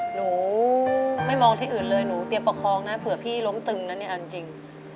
หนูไม่มองที่อื่นเลยหนูเตรียมประคองนะเผื่อพี่ล้มตึงนะเนี่ยเอาจริง